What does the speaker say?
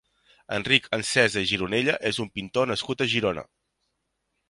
Enric Ansesa i Gironella és un pintor nascut a Girona.